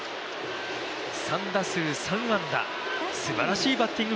３打数３安打すばらしいバッティング